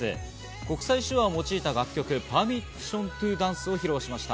国際手話を用いた楽曲『ＰｅｒｍｉｓｓｉｏｎｔｏＤａｎｃｅ』を披露しました。